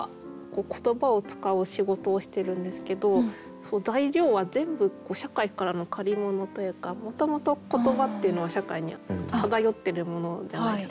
言葉を使う仕事をしてるんですけど材料は全部社会からの借り物というかもともと言葉っていうのは社会に漂っているものじゃないですか。